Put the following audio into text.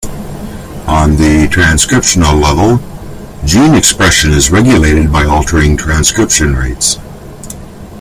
On the transcriptional level, gene expression is regulated by altering transcription rates.